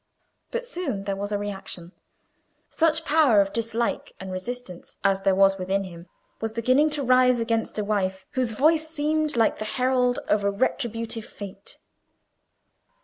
But soon there was a reaction: such power of dislike and resistance as there was within him was beginning to rise against a wife whose voice seemed like the herald of a retributive fate.